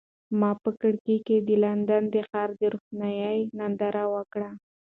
ما په کړکۍ کې د لندن د ښار د روښنایۍ ننداره وکړه.